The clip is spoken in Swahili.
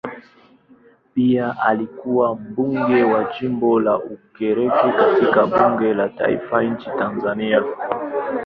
Pia alikuwa mbunge wa jimbo la Ukerewe katika bunge la taifa nchini Tanzania.